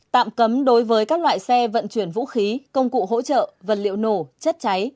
tạm cấm đối với các loại xe vận chuyển vũ khí công cụ hỗ trợ vật liệu nổ chất cháy